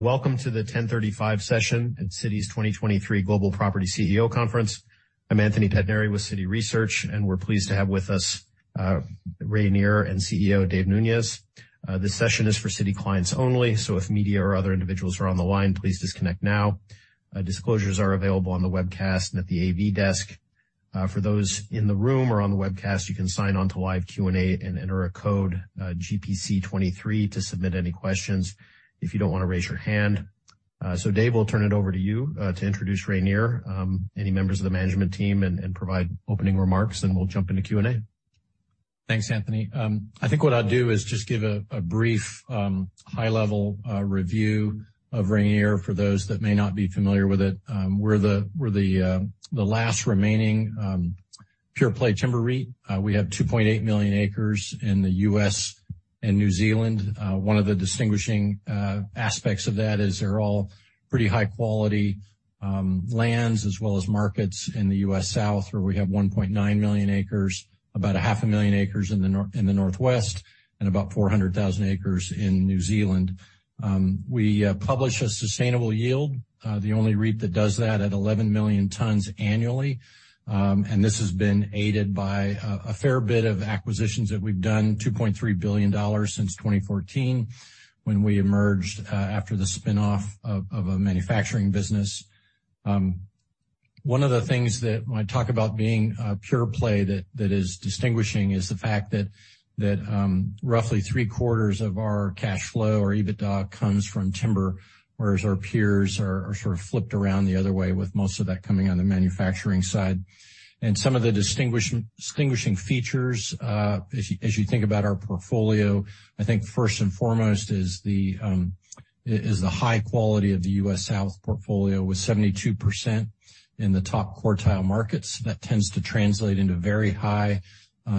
Welcome to the 10:35 session at Citi's 2023 Global Property CEO Conference. I'm Anthony Pettinari with Citi Research. We're pleased to have with us Rayonier and CEO Dave Nunes. This session is for Citi clients only. If media or other individuals are on the line, please disconnect now. Disclosures are available on the webcast and at the AV desk. For those in the room or on the webcast, you can sign on to live Q&A and enter a code, GPC23 to submit any questions if you don’t want to raise your hand. Dave, we'll turn it over to you to introduce Rayonier, any members of the management team and provide opening remarks, and we'll jump into Q&A. Thanks, Anthony. I think what I'll do is just give a brief, high-level review of Rayonier for those that may not be familiar with it. We're the last remaining pure-play timber REIT. We have 2.8 million acres in the U.S. and New Zealand. One of the distinguishing aspects of that is they're all pretty high quality lands, as well as markets in the U.S. South, where we have 1.9 million acres. About 0.5 million acres in the Northwest, and about 400,000 acres in New Zealand. We publish a sustainable yield, the only REIT that does that at 11 million tons annually. This has been aided by a fair bit of acquisitions that we've done, $2.3 billion since 2014 when we emerged after the spin-off of a manufacturing business. One of the things that when I talk about being a pure-play that is distinguishing is the fact that roughly three-quarters of our cash flow or EBITDA comes from timber, whereas our peers are sort of flipped around the other way, with most of that coming on the manufacturing side. Some of the distinguishing features as you think about our portfolio, I think first and foremost is the high quality of the U.S. South portfolio with 72% in the top quartile markets. That tends to translate into very high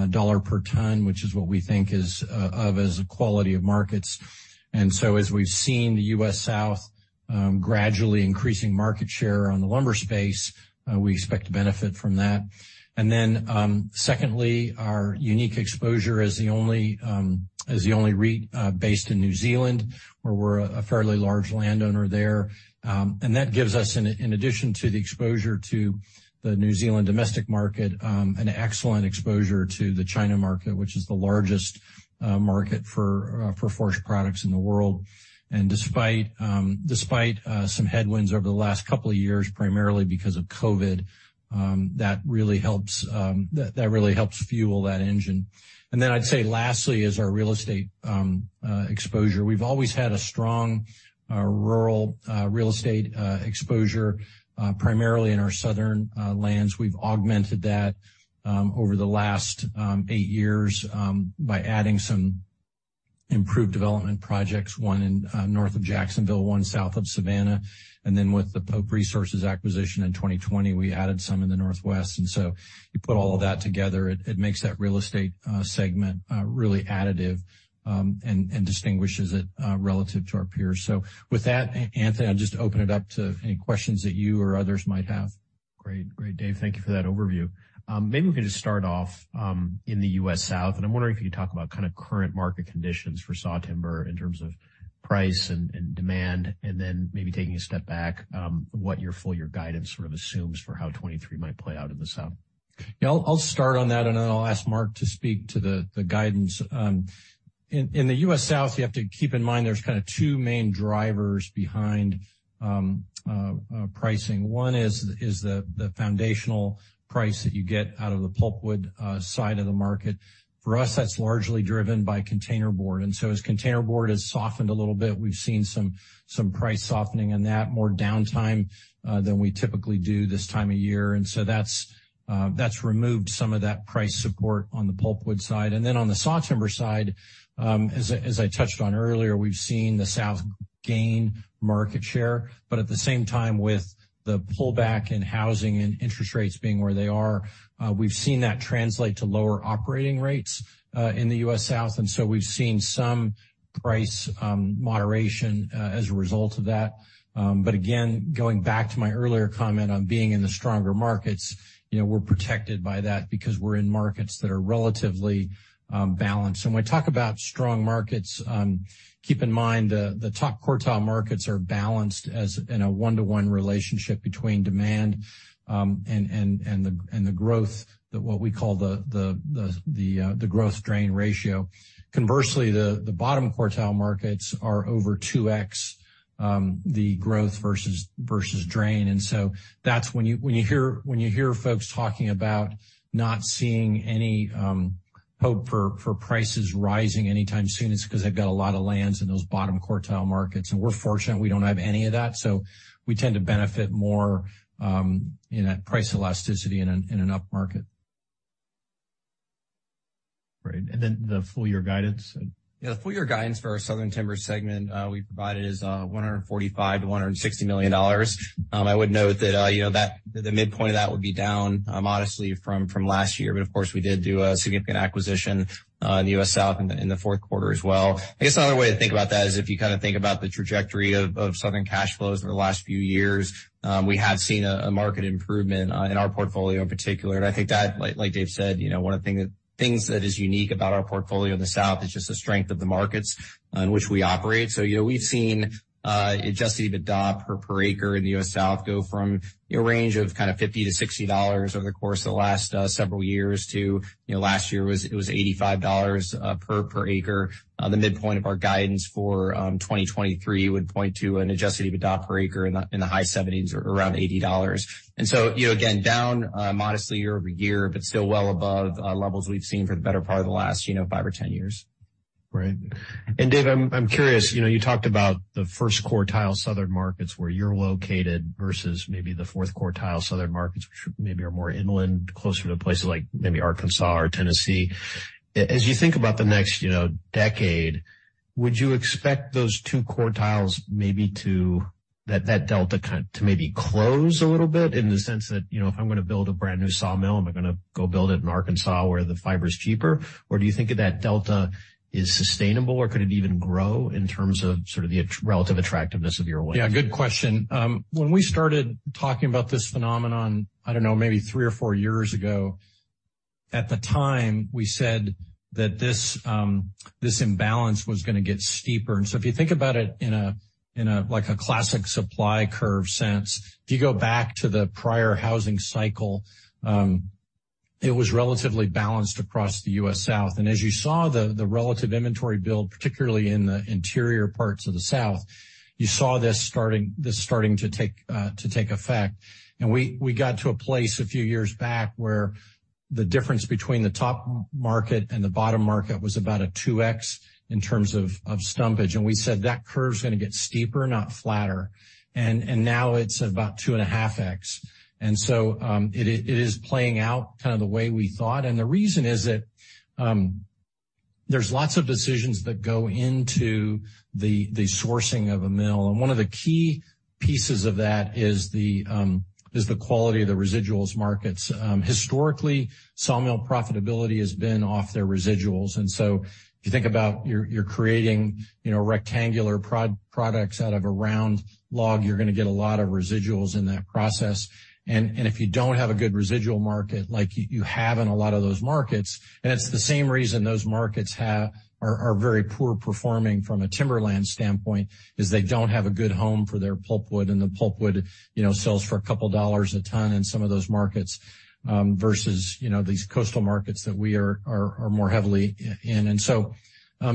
dollar per ton, which is what we think is of as the quality of markets. As we've seen the U.S. South gradually increasing market share on the lumber space, we expect to benefit from that. Secondly, our unique exposure as the only REIT based in New Zealand, where we're a fairly large landowner there. That gives us in addition to the exposure to the New Zealand domestic market, an excellent exposure to the China market, which is the largest market for forest products in the world. Despite some headwinds over the last couple of years, primarily because of COVID, that really helps fuel that engine. Lastly is our real estate exposure. We've always had a strong rural real estate exposure primarily in our southern lands. We've augmented that over the last eight years by adding some improved development projects, one in north of Jacksonville, one south of Savannah. With the Pope Resources acquisition in 2020, we added some in the Northwest. You put all of that together, it makes that real estate segment really additive and distinguishes it relative to our peers. With that, Anthony, I'll just open it up to any questions that you or others might have. Great. Great, Dave. Thank you for that overview. Maybe we could just start off, in the U.S. South, and I'm wondering if you could talk about kind of current market conditions for sawtimber in terms of price and demand, and then maybe taking a step back, what your full year guidance sort of assumes for how 2023 might play out in the South. Yeah. I'll start on that, then I'll ask Mark to speak to the guidance. In the U.S. South, you have to keep in mind there's kind of two main drivers behind pricing. One is the foundational price that you get out of the pulpwood side of the market. For us, that's largely driven by containerboard. As containerboard has softened a little bit, we've seen some price softening in that, more downtime than we typically do this time of year. That's removed some of that price support on the pulpwood side. On the sawtimber side, as I touched on earlier, we've seen the South gain market share. At the same time, with the pullback in housing and interest rates being where they are, we've seen that translate to lower operating rates in the U.S. South. We've seen some price moderation as a result of that. Again, going back to my earlier comment on being in the stronger markets, you know, we're protected by that because we're in markets that are relatively balanced. When I talk about strong markets, keep in mind the top quartile markets are balanced as in a 1-to-1 relationship between demand and the growth, what we call the growth-to-drain ratio. Conversely, the bottom quartile markets are over 2x the growth versus drain. That's when you hear folks talking about not seeing any hope for prices rising anytime soon, it's 'cause they've got a lot of lands in those bottom quartile markets, and we're fortunate we don't have any of that. We tend to benefit more in that price elasticity in an upmarket. Right. The full-year guidance. Yeah, the full-year guidance for our Southern Timber segment we provided is $145 million to $160 million. I would note that, you know, the midpoint of that would be down modestly from last year. Of course, we did do a significant acquisition in the U.S. South in the fourth quarter as well. I guess another way to think about that is if you kind of think about the trajectory of Southern cash flows over the last few years, we have seen a market improvement in our portfolio in particular. I think that, like Dave said, you know, one of the things that is unique about our portfolio in the South is just the strength of the markets on which we operate. You know, we've seen Adjusted EBITDA per acre in the U.S. South go from, you know, a range of kind of $50-$60 over the course of the last several years to, you know, last year it was $85 per acre. The midpoint of our guidance for 2023 would point to an Adjusted EBITDA per acre in the high $70s or around $80. You know, again, down modestly year-over-year, but still well above levels we've seen for the better part of the last, you know, five or 10 years. Right. Dave, I'm curious, you know, you talked about the first quartile Southern markets where you're located versus maybe the fourth quartile Southern markets, which maybe are more inland, closer to places like maybe Arkansas or Tennessee. As you think about the next, you know, decade, would you expect those two quartiles maybe to that delta to maybe close a little bit in the sense that, you know, if I'm gonna build a brand-new sawmill, am I gonna go build it in Arkansas where the fiber is cheaper? Or do you think that delta is sustainable, or could it even grow in terms of sort of the at-relative attractiveness of your location? Yeah, good question. When we started talking about this phenomenon, I don't know, maybe three or four years ago, at the time, we said that this imbalance was gonna get steeper. If you think about it in a like a classic supply curve sense, if you go back to the prior housing cycle, it was relatively balanced across the U.S. South. As you saw the relative inventory build, particularly in the interior parts of the South, you saw this starting to take effect. We got to a place a few years back where the difference between the top market and the bottom market was about a 2x in terms of stumpage. We said that curve's gonna get steeper, not flatter. Now it's about 2.5x. It is playing out kind of the way we thought. The reason is that, there's lots of decisions that go into the sourcing of a mill. One of the key pieces of that is the quality of the residuals markets. Historically, sawmill profitability has been off their residuals. If you think about you're creating, you know, rectangular products out of a round log, you're gonna get a lot of residuals in that process. If you don't have a good residual market like you have in a lot of those markets, and it's the same reason those markets are very poor performing from a timberland standpoint, is they don't have a good home for their pulpwood, and the pulpwood, you know, sells for a couple of dollars a ton in some of those markets, versus, you know, these coastal markets that we are more heavily in.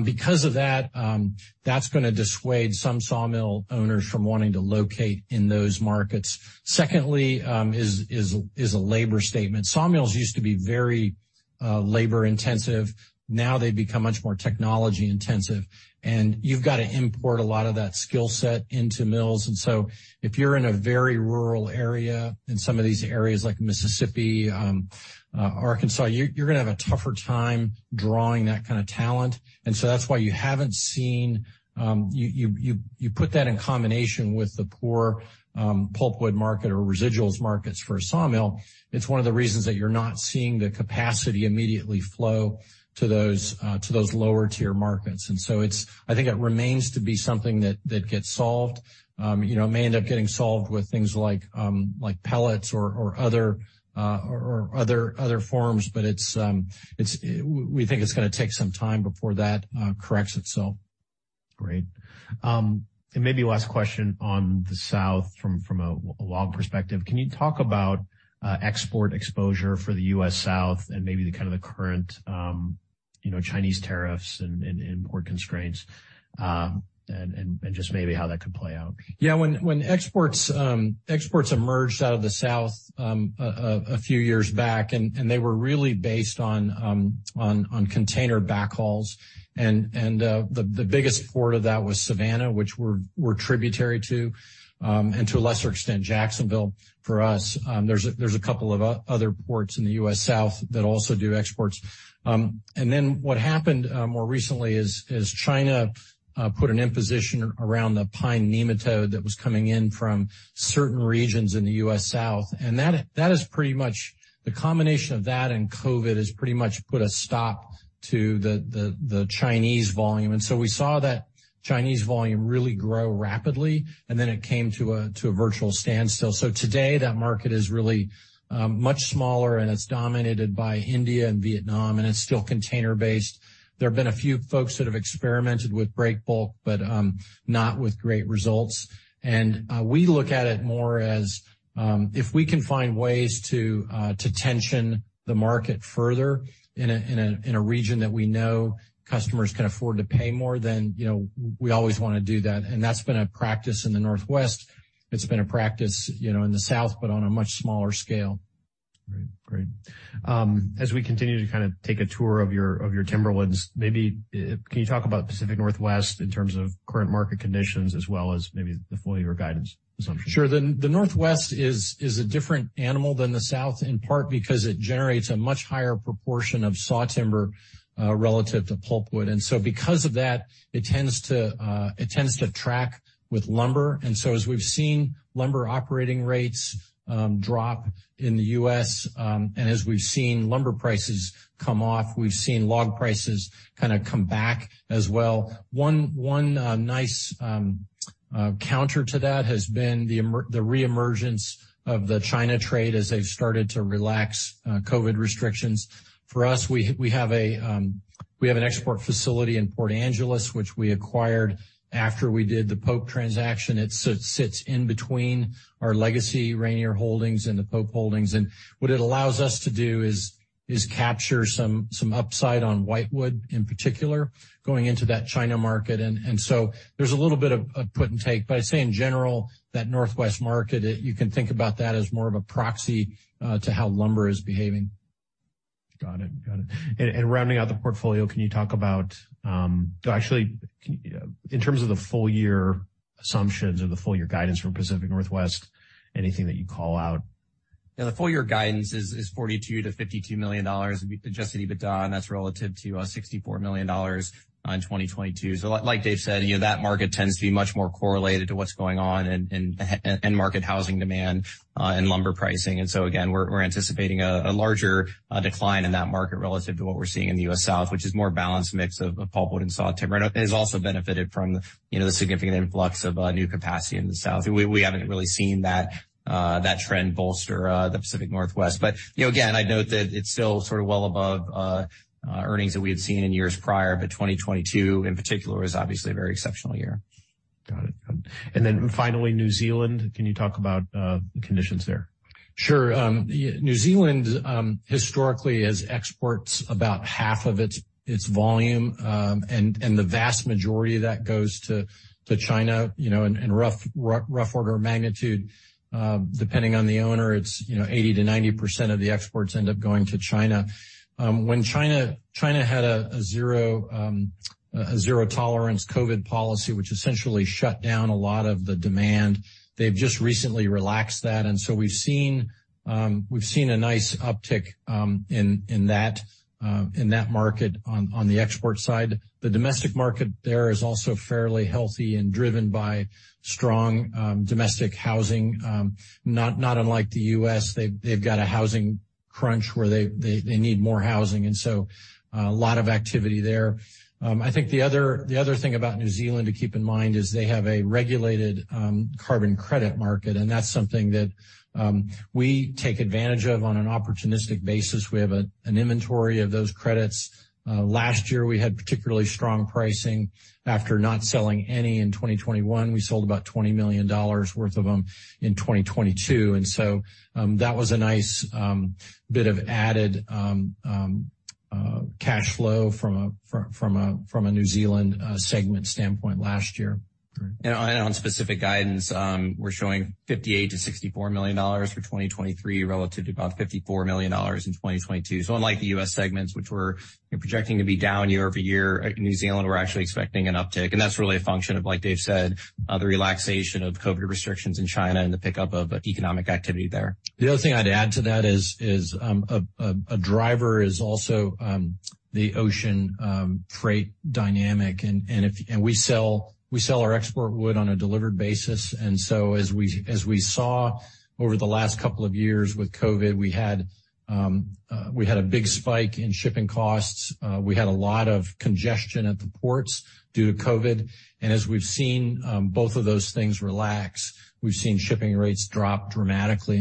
Because of that's gonna dissuade some sawmill owners from wanting to locate in those markets. Secondly, is a labor statement. Sawmills used to be very labor-intensive. Now they've become much more technology-intensive, and you've got to import a lot of that skill set into mills. If you're in a very rural area in some of these areas like Mississippi, Arkansas, you're gonna have a tougher time drawing that kind of talent. That's why you haven't seen, you put that in combination with the poor, pulpwood market or residuals markets for a sawmill, it's one of the reasons that you're not seeing the capacity immediately flow to those, to those lower-tier markets. I think it remains to be something that gets solved. You know, it may end up getting solved with things like pellets or other forms, but We think it's gonna take some time before that, corrects itself. Maybe last question on the South from a log perspective. Can you talk about export exposure for the U.S. South and maybe the kind of the current, you know, Chinese tariffs and import constraints, and just maybe how that could play out? Yeah. When exports emerged out of the South a few years back, they were really based on container backhauls, and the biggest port of that was Savannah, which we're tributary to, and to a lesser extent, Jacksonville for us. There's a couple of other ports in the U.S. South that also do exports. What happened more recently is China put an imposition around the pine nematode that was coming in from certain regions in the U.S. South. That is pretty much the combination of that and COVID has pretty much put a stop to the Chinese volume. We saw that Chinese volume really grow rapidly, and then it came to a virtual standstill. Today, that market is really much smaller, and it's dominated by India and Vietnam, and it's still container-based. There have been a few folks that have experimented with break-bulk, but not with great results. We look at it more as, if we can find ways to tension the market further in a region that we know customers can afford to pay more, then, you know, we always wanna do that. That's been a practice in the Northwest. It's been a practice, you know, in the South, but on a much smaller scale. Great. As we continue to kind of take a tour of your, of your timberlands, maybe, can you talk about Pacific Northwest in terms of current market conditions as well as maybe the full year guidance assumption? Sure. The Northwest is a different animal than the South, in part because it generates a much higher proportion of sawtimber relative to pulpwood. Because of that, it tends to track with lumber. As we've seen lumber operating rates drop in the U.S., and as we've seen lumber prices come off, we've seen log prices kind of come back as well. One nice counter to that has been the re-emergence of the China trade as they've started to relax COVID restrictions. For us, we have an export facility in Port Angeles, which we acquired after we did the Pope transaction. It sits in between our legacy Rayonier holdings and the Pope holdings. What it allows us to do is capture some upside on whitewood, in particular, going into that China market. So there's a little bit of put and take. I'd say in general, that Northwest market, you can think about that as more of a proxy to how lumber is behaving. Got it. Got it. Rounding out the portfolio, can you talk about. Actually, can in terms of the full year assumptions or the full year guidance from Pacific Northwest, anything that you'd call out? Yeah. The full year guidance is $42 million to $52 million Adjusted EBITDA, and that's relative to $64 million on 2022. Like Dave said, you know, that market tends to be much more correlated to what's going on in end market housing demand and lumber pricing. Again, we're anticipating a larger decline in that market relative to what we're seeing in the U.S. South, which is a more balanced mix of pulpwood and sawtimber, and has also benefited from, you know, the significant influx of new capacity in the South. We haven't really seen that trend bolster the Pacific Northwest. You know, again, I'd note that it's still sort of well above earnings that we had seen in years prior, but 2022, in particular, was obviously a very exceptional year. Got it. Got it. Then finally, New Zealand, can you talk about the conditions there? Sure. New Zealand historically has exports about half of its volume, and the vast majority of that goes to China. In rough order of magnitude, depending on the owner, it's 80%-90% of the exports end up going to China. When China had a zero-tolerance COVID policy, which essentially shut down a lot of the demand, they've just recently relaxed that, we've seen a nice uptick in that market on the export side. The domestic market there is also fairly healthy and driven by strong domestic housing. Not unlike the U.S., they've got a housing crunch where they need more housing, a lot of activity there. I think the other thing about New Zealand to keep in mind is they have a regulated carbon credit market, and that's something that we take advantage of on an opportunistic basis. We have an inventory of those credits. Last year, we had particularly strong pricing. After not selling any in 2021, we sold about $20 million worth of them in 2022. That was a nice bit of added cash flow from a New Zealand segment standpoint last year. Great. On specific guidance, we're showing $58 million-$64 million for 2023 relative to about $54 million in 2022. Unlike the U.S. segments which we're, you know, projecting to be down year-over-year, New Zealand, we're actually expecting an uptick. That's really a function of, like Dave said, the relaxation of COVID restrictions in China and the pickup of economic activity there. The other thing I'd add to that is a driver is also the ocean freight dynamic. We sell our export wood on a delivered basis. As we saw over the last 2 years with COVID, we had a big spike in shipping costs. We had a lot of congestion at the ports due to COVID. As we've seen both of those things relax, we've seen shipping rates drop dramatically.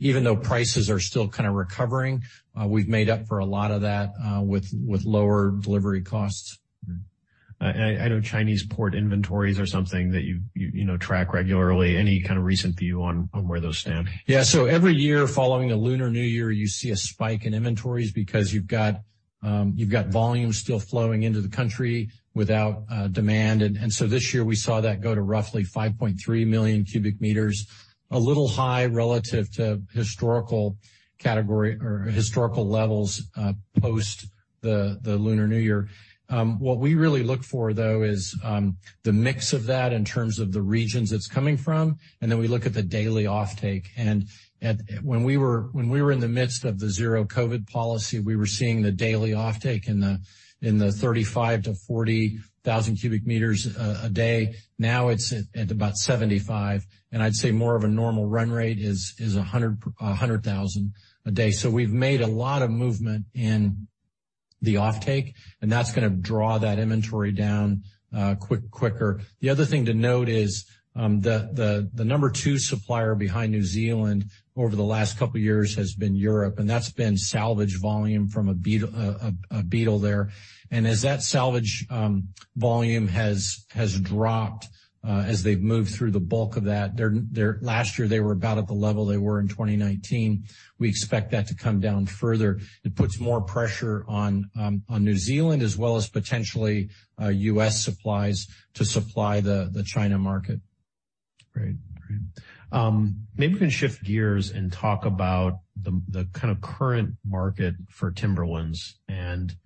Even though prices are still kind of recovering, we've made up for a lot of that with lower delivery costs. I know Chinese port inventories are something that you know, track regularly. Any kind of recent view on where those stand? Every year following a Lunar New Year, you see a spike in inventories because you've got volume still flowing into the country without demand. This year we saw that go to roughly 5.3 million cubic meters, a little high relative to historical category or historical levels, post the Lunar New Year. What we really look for, though, is the mix of that in terms of the regions it's coming from, then we look at the daily offtake. When we were in the midst of the zero COVID policy, we were seeing the daily offtake in the 35,000 to 40,000 cubic meters a day. Now it's at about 75,000. I'd say more of a normal run rate is 100,000 a day. We've made a lot of movement in the offtake, and that's gonna draw that inventory down quick, quicker. The other thing to note is the number two supplier behind New Zealand over the last couple of years has been Europe, and that's been salvage volume from a beetle there. As that salvage volume has dropped, as they've moved through the bulk of that, Last year, they were about at the level they were in 2019. We expect that to come down further. It puts more pressure on New Zealand as well as potentially U.S. supplies to supply the China market. Great. Great. Maybe we can shift gears and talk about the kind of current market for Timberlands. Just,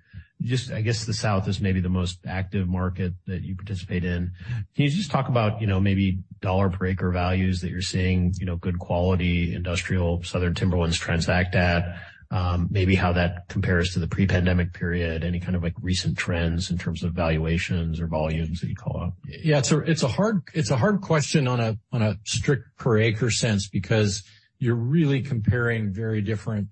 I guess the South is maybe the most active market that you participate in. Can you just talk about, you know, maybe dollar per acre values that you're seeing, you know, good quality industrial southern Timberlands transact at, maybe how that compares to the pre-pandemic period? Any kind of, like, recent trends in terms of valuations or volumes that you call out? It's a hard question on a strict per acre sense because you're really comparing very different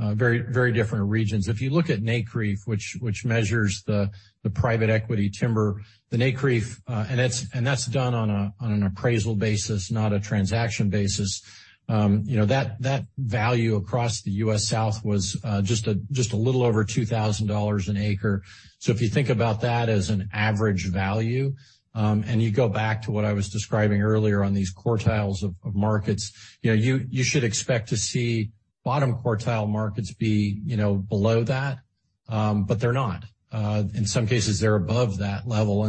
regions. If you look at NCREIF, which measures the private equity timber, the NCREIF, and that's done on an appraisal basis, not a transaction basis. You know, that value across the U.S. South was just a little over $2,000 an acre. If you think about that as an average value, and you go back to what I was describing earlier on these quartiles of markets, you know, you should expect to see bottom quartile markets be below that. They're not. In some cases, they're above that level,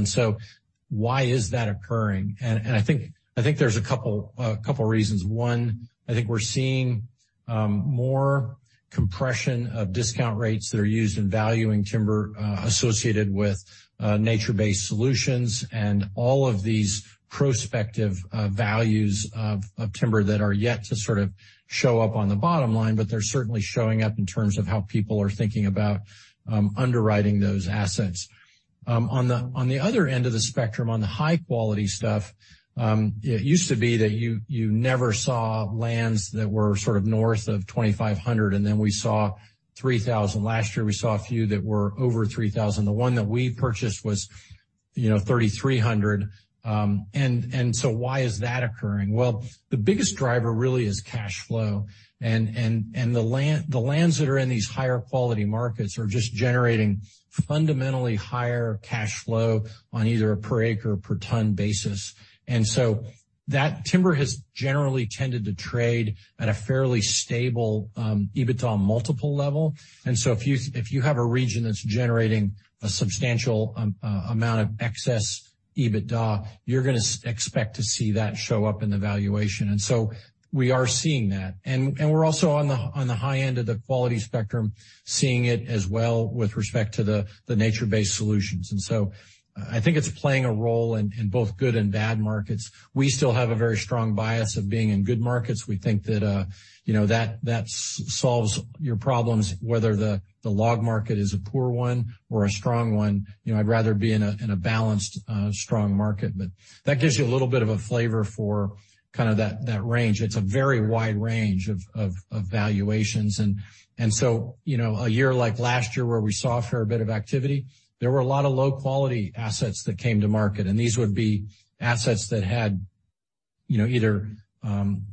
why is that occurring? I think there's a couple reasons. One, I think we're seeing more compression of discount rates that are used in valuing timber associated with nature-based solutions and all of these prospective values of timber that are yet to sort of show up on the bottom line, but they're certainly showing up in terms of how people are thinking about underwriting those assets. On the other end of the spectrum, on the high-quality stuff, it used to be that you never saw lands that were sort of north of $2,500, and then we saw $3,000. Last year, we saw a few that were over $3,000. The one that we purchased was, you know, $3,300. Why is that occurring? Well, the biggest driver really is cash flow. The lands that are in these higher quality markets are just generating fundamentally higher cash flow on either a per acre or per ton basis. That timber has generally tended to trade at a fairly stable EBITDA multiple level. If you have a region that's generating a substantial amount of excess EBITDA, you're gonna expect to see that show up in the valuation. We are seeing that. We're also on the high end of the quality spectrum, seeing it as well with respect to the nature-based solutions. I think it's playing a role in both good and bad markets. We still have a very strong bias of being in good markets. We think that, you know, that solves your problems, whether the log market is a poor one or a strong one. You know, I'd rather be in a, in a balanced, strong market. That gives you a little bit of a flavor for kind of that range. It's a very wide range of, of valuations. You know, a year like last year where we saw a fair bit of activity, there were a lot of low-quality assets that came to market, and these would be assets that had, you know,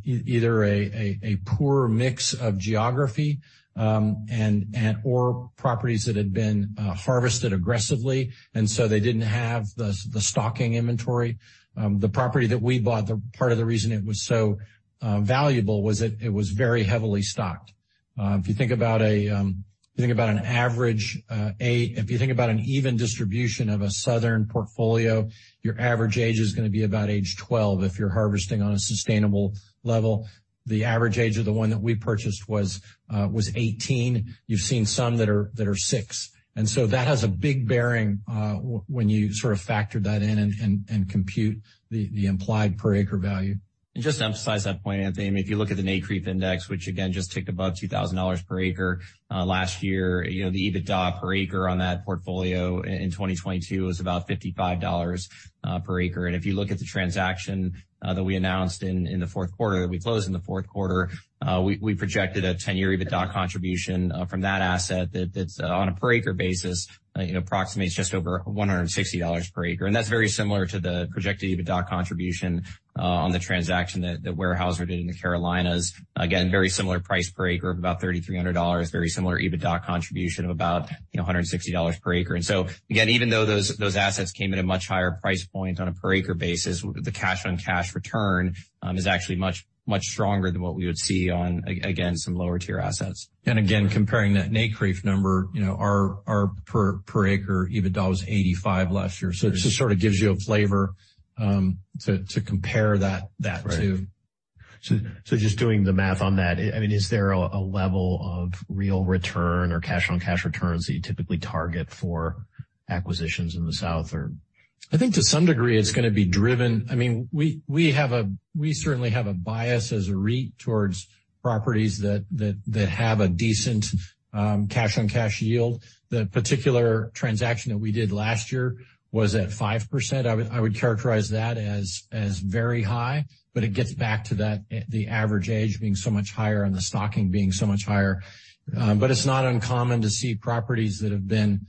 either a poor mix of geography, or properties that had been harvested aggressively, and so they didn't have the stocking inventory. The property that we bought, the part of the reason it was so valuable was that it was very heavily stocked. If you think about a, if you think about an average, if you think about an even distribution of a southern portfolio, your average age is gonna be about age 12 if you're harvesting on a sustainable level. The average age of the one that we purchased was 18. You've seen some that are six. That has a big bearing, when you sort of factor that in and compute the implied per acre value. Just to emphasize that point, Anthony, if you look at the NCREIF index, which again just ticked above $2,000 per acre last year, you know, the EBITDA per acre on that portfolio in 2022 was about $55 per acre. If you look at the transaction that we announced in the fourth quarter, that we closed in the fourth quarter, we projected a 10-year EBITDA contribution from that asset that's on a per acre basis, you know, approximates just over $160 per acre. That's very similar to the projected EBITDA contribution on the transaction that Weyerhaeuser did in the Carolinas. Again, very similar price per acre of about $3,300, very similar EBITDA contribution of about, you know, $160 per acre. Again, even though those assets came at a much higher price point on a per acre basis, with the cash-on-cash return, is actually much stronger than what we would see on again, some lower tier assets. Again, comparing that NCREIF number, you know, our per acre EBITDA was $85 last year. It just sort of gives you a flavor, to compare that to. Right. Just doing the math on that, I mean, is there a level of real return or cash-on-cash returns that you typically target for acquisitions in the South or? I think to some degree it's gonna be driven. I mean, we certainly have a bias as a REIT towards properties that have a decent cash-on-cash yield. The particular transaction that we did last year was at 5%. I would characterize that as very high. It gets back to that, the average age being so much higher and the stocking being so much higher. It's not uncommon to see properties that have been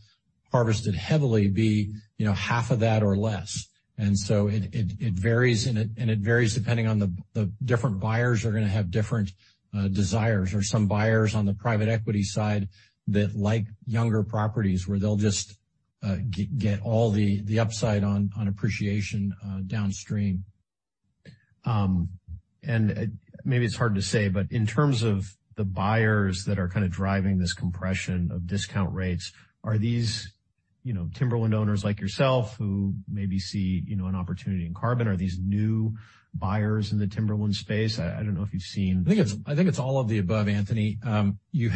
harvested heavily be, you know, half of that or less. It varies, and it varies depending on the different buyers are gonna have different desires. There are some buyers on the private equity side that like younger properties where they'll just get all the upside on appreciation downstream. Maybe it's hard to say, in terms of the buyers that are kind of driving this compression of discount rates, are these, you know, timberland owners like yourself who maybe see, you know, an opportunity in carbon? Are these new buyers in the timberland space? I don't know if you've seen-. I think it's all of the above, Anthony. You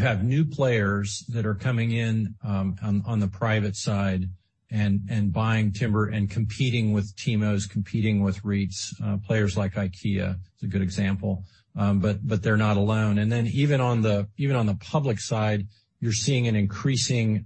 have new players that are coming in on the private side and buying timber and competing with TIMOs, competing with REITs, players like IKEA is a good example. They're not alone. Even on the public side, you're seeing an increasing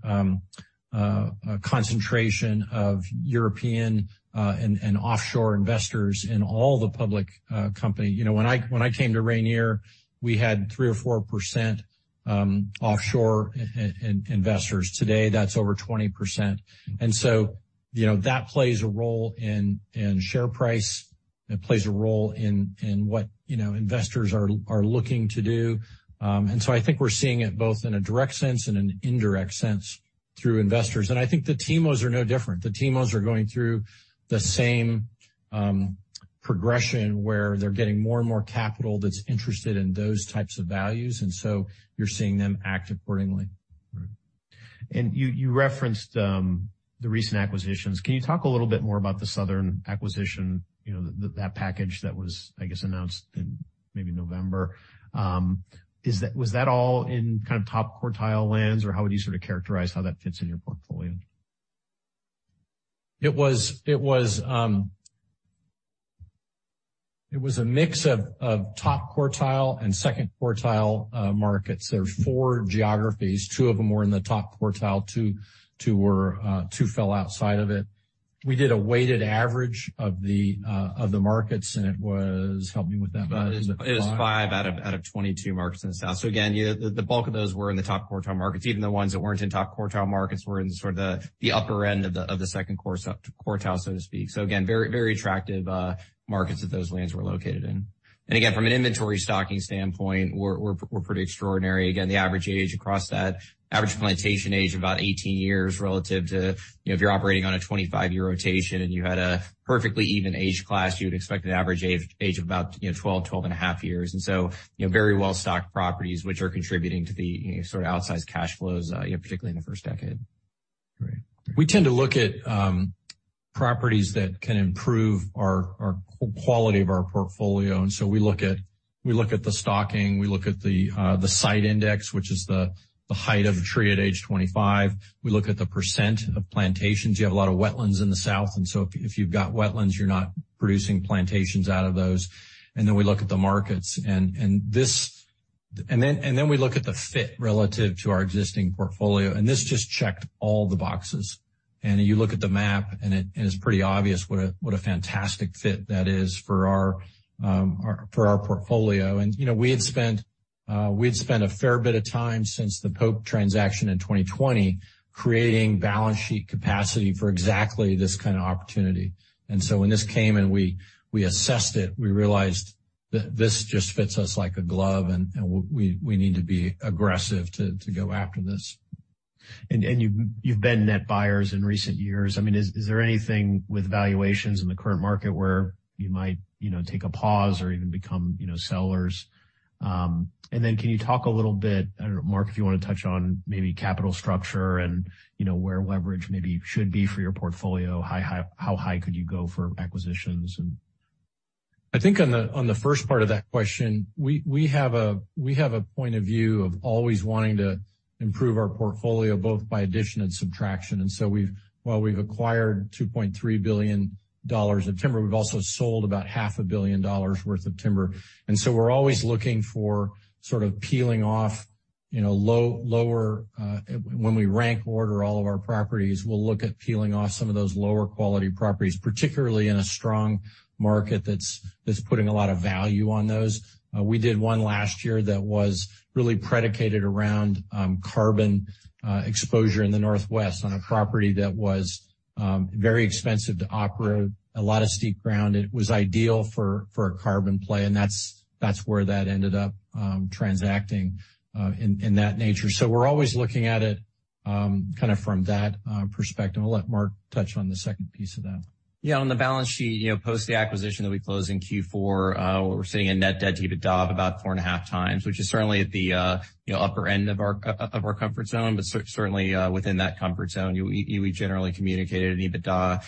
concentration of European and offshore investors in all the public company. You know, when I came to Rayonier, we had 3% or 4% offshore investors. Today, that's over 20%. You know, that plays a role in share price. It plays a role in what, you know, investors are looking to do. I think we're seeing it both in a direct sense and an indirect sense through investors. I think the TIMOs are no different. The TIMOs are going through the same progression where they're getting more and more capital that's interested in those types of values, and so you're seeing them act accordingly. Right. You, you referenced the recent acquisitions. Can you talk a little bit more about the Southern acquisition, you know, that package that was, I guess, announced in maybe November? Was that all in kind of top quartile lands, or how would you sort of characterize how that fits in your portfolio? It was a mix of top quartile and second quartile markets. There were four geographies. Two of them were in the top quartile, two were, two fell outside of it. We did a weighted average of the markets, it was. Help me with that, Mark. It was five out of 22 markets in the south. Again, the bulk of those were in the top quartile markets. Even the ones that weren't in top quartile markets were in sort of the upper end of the second quartile, so to speak. Again, very attractive markets that those lands were located in. Again, from an inventory stocking standpoint, we're pretty extraordinary. Again, the average age across that, average plantation age of about 18 years relative to, you know, if you're operating on a 25 year rotation and you had a perfectly even age class, you'd expect an average age of about, you know, 12 and a half years. You know, very well-stocked properties which are contributing to the, you know, sort of outsized cash flows, you know, particularly in the first decade. Great. We tend to look at properties that can improve our quality of our portfolio. We look at the stocking, we look at the site index, which is the height of a tree at age 25. We look at the % of plantations. You have a lot of wetlands in the south, so if you've got wetlands, you're not producing plantations out of those. Then we look at the markets. Then we look at the fit relative to our existing portfolio, and this just checked all the boxes. You look at the map and it's pretty obvious what a fantastic fit that is for our portfolio. You know, we had spent a fair bit of time since the Pope transaction in 2020 creating balance sheet capacity for exactly this kind of opportunity. When this came and we assessed it, we realized that this just fits us like a glove and we need to be aggressive to go after this. You've been net buyers in recent years. I mean, is there anything with valuations in the current market where you might, you know, take a pause or even become, you know, sellers? Then can you talk a little bit, I don't know, Mark, if you wanna touch on maybe capital structure and, you know, where leverage maybe should be for your portfolio, how high could you go for acquisitions and. I think on the first part of that question, we have a point of view of always wanting to improve our portfolio, both by addition and subtraction. while we've acquired $2.3 billion of timber, we've also sold about half a billion dollars worth of timber. We're always looking for sort of peeling off, you know, lower, when we rank order all of our properties, we'll look at peeling off some of those lower quality properties, particularly in a strong market that's putting a lot of value on those. We did one last year that was really predicated around carbon exposure in the Northwest on a property that was very expensive to operate, a lot of steep ground. It was ideal for a carbon play. That's where that ended up, transacting, in that nature. We're always looking at it, kind of from that perspective. I'll let Mark touch on the second piece of that. On the balance sheet, you know, post the acquisition that we closed in Q4, we're sitting in net debt to EBITDA of about 4.5x, which is certainly at the, you know, upper end of our of our comfort zone, but certainly within that comfort zone. We generally communicated an EBITDA,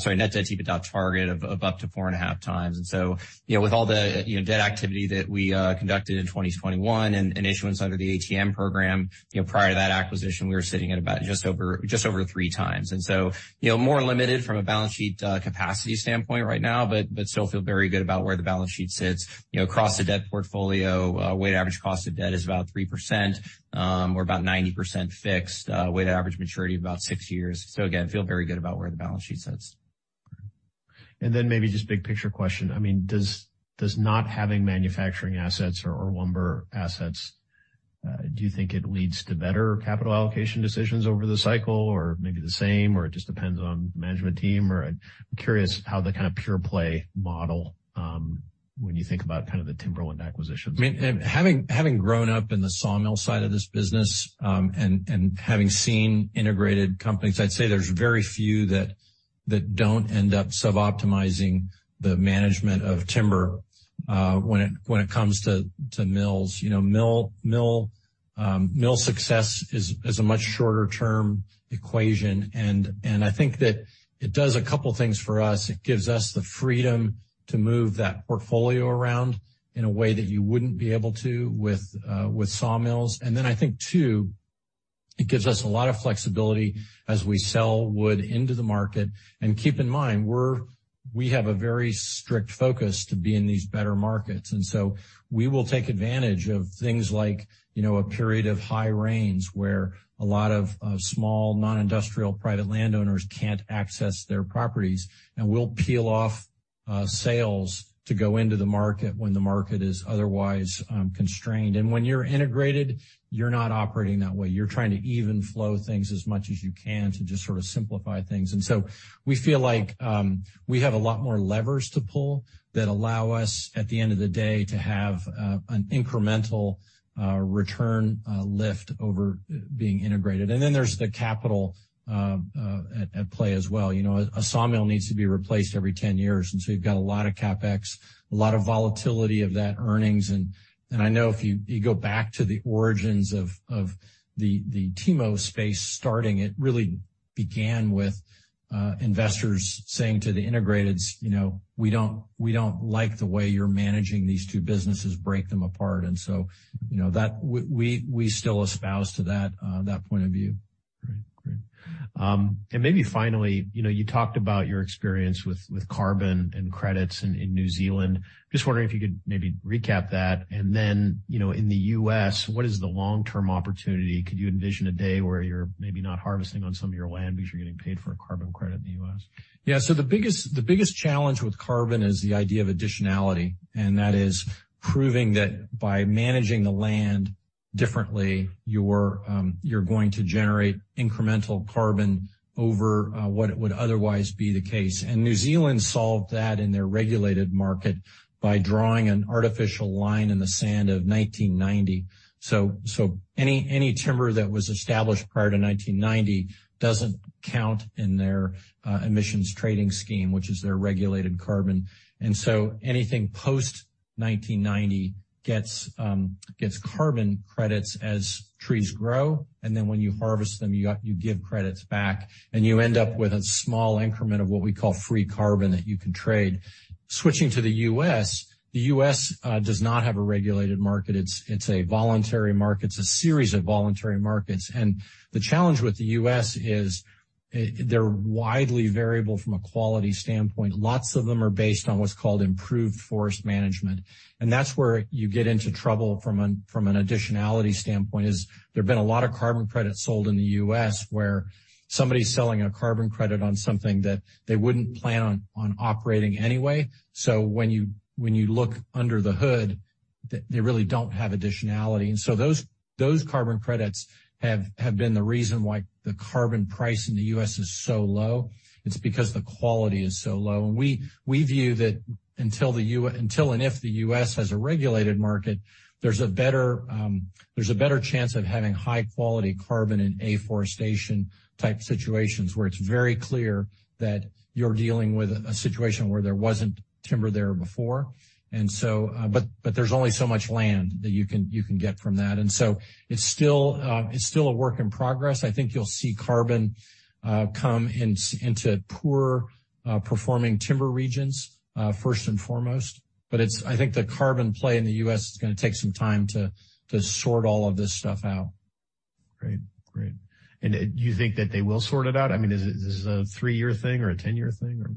sorry, net debt to EBITDA target of up to 4.5x. With all the, you know, debt activity that we conducted in 2021 and issuance under the ATM program, you know, prior to that acquisition, we were sitting at about just over 3x. More limited from a balance sheet capacity standpoint right now, but still feel very good about where the balance sheet sits. You know, across the debt portfolio, weighted average cost of debt is about 3%, we're about 90% fixed, weighted average maturity of about 6 years. Again, feel very good about where the balance sheet sits. Maybe just big picture question. I mean, does not having manufacturing assets or lumber assets, do you think it leads to better capital allocation decisions over the cycle, or maybe the same, or it just depends on the management team? I'm curious how the kind of pure-play model, when you think about kind of the timberland acquisitions. Having grown up in the sawmill side of this business, and having seen integrated companies, I'd say there's very few that don't end up suboptimizing the management of timber, when it comes to mills. You know, mill success is a much shorter term equation. I think that it does a couple things for us. It gives us the freedom to move that portfolio around in a way that you wouldn't be able to with sawmills. Then I think too, it gives us a lot of flexibility as we sell wood into the market. Keep in mind, we have a very strict focus to be in these better markets. We will take advantage of things like, you know, a period of high rains, where a lot of small, non-industrial private landowners can't access their properties, and we'll peel off sales to go into the market when the market is otherwise constrained. When you're integrated, you're not operating that way. You're trying to even flow things as much as you can to just sort of simplify things. We feel like we have a lot more levers to pull that allow us, at the end of the day, to have an incremental return lift over being integrated. There's the capital at play as well. You know, a sawmill needs to be replaced every 10 years, you've got a lot of CapEx, a lot of volatility of that earnings. I know if you go back to the origins of the TIMO space starting, it really began with investors saying to the integrateds, you know, "We don't, we don't like the way you're managing these two businesses. Break them apart." You know, that. We still espouse to that point of view. Great. Great. Maybe finally, you know, you talked about your experience with carbon and credits in New Zealand. Just wondering if you could maybe recap that. Then, you know, in the U.S., what is the long-term opportunity? Could you envision a day where you're maybe not harvesting on some of your land because you're getting paid for a carbon credit in the U.S.? The biggest challenge with carbon is the idea of additionality, and that is proving that by managing the land differently, you're going to generate incremental carbon over what would otherwise be the case. New Zealand solved that in their regulated market by drawing an artificial line in the sand of 1990. Any timber that was established prior to 1990 doesn't count in their emissions trading scheme, which is their regulated carbon. Anything post 1990 gets carbon credits as trees grow. When you harvest them, you give credits back, and you end up with a small increment of what we call free carbon that you can trade. Switching to the US, the US does not have a regulated market. It's a voluntary market. It's a series of voluntary markets. The challenge with the U.S. is, they're widely variable from a quality standpoint. Lots of them are based on what's called improved forest management. That's where you get into trouble from an additionality standpoint, is there have been a lot of carbon credits sold in the U.S. where somebody's selling a carbon credit on something that they wouldn't plan on operating anyway. When you look under the hood, they really don't have additionality. Those carbon credits have been the reason why the carbon price in the U.S. is so low. It's because the quality is so low. We view that until and if the U.S. has a regulated market, there's a better, there's a better chance of having high quality carbon in afforestation type situations, where it's very clear that you're dealing with a situation where there wasn't timber there before. But there's only so much land that you can get from that. It's still a work in progress. I think you'll see carbon come into poor performing timber regions first and foremost. I think the carbon play in the U.S. is gonna take some time to sort all of this stuff out. Great. Do you think that they will sort it out? I mean, is this a three-year thing or a 10-year thing or?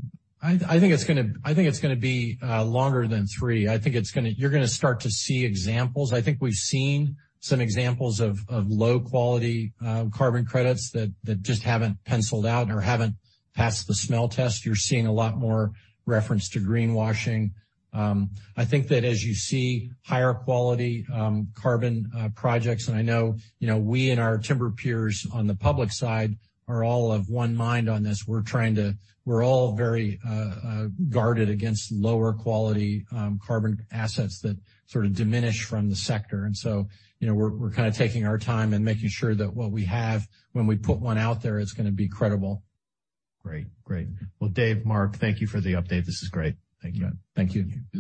I think it's gonna, I think it's gonna be longer than three. I think you're gonna start to see examples. I think we've seen some examples of low quality carbon credits that just haven't penciled out or haven't passed the smell test. You're seeing a lot more reference to greenwashing. I think that as you see higher quality carbon projects, and I know, you know, we and our timber peers on the public side are all of one mind on this. We're all very guarded against lower quality carbon assets that sort of diminish from the sector. You know, we're kind of taking our time and making sure that what we have when we put one out there, it's gonna be credible. Great. Great. Well, Dave, Mark, thank you for the update. This is great. Thank you. Thank you.